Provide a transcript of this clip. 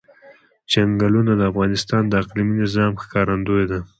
چنګلونه د افغانستان د اقلیمي نظام ښکارندوی ده.